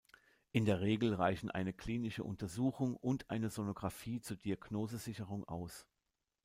In der Regel reichen eine klinische Untersuchung und eine Sonographie zur Diagnosesicherung aus.